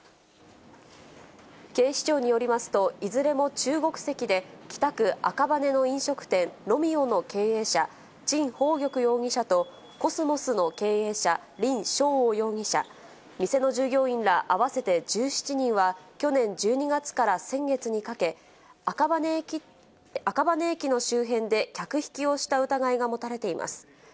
警視庁によりますと、いずれも中国籍で、北区赤羽の飲食店、ロミオの経営者、陳鳳玉容疑者とコスモスの経営者、林小鶯容疑者、店の従業員ら合わせて１７人は、去年１２月から先月にかけ、赤羽駅の周辺で客引きをした疑いが持たれています。